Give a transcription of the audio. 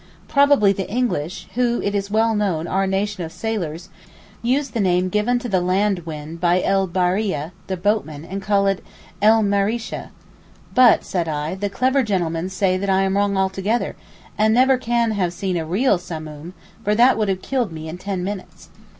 'Probably the English, who it is well known are a nation of sailors, use the name given to the land wind by el baharieh (the boatmen), and call it el mereeseh.' 'But,' said I, 'the clever gentlemen say that I am wrong altogether, and never can have seen a real Samoom, for that would have killed me in ten minutes.